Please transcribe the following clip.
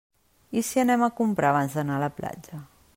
I si anem a comprar abans d'anar a la platja.